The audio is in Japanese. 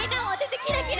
キラキラ。